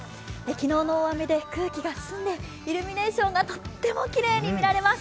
昨日の大雨で空気が澄んでイルミネーションがとってもきれいに見られます。